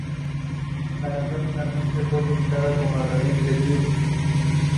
La canción finalmente fue utilizada como un remix de "Give It to Me".